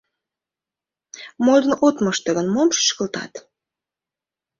— Модын от мошто гын, мом шӱшкылтат?